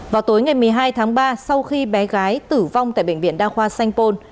vào tối ngày một mươi hai tháng ba sau khi bé gái tử vong tại bệnh viện đa khoa sanh pôn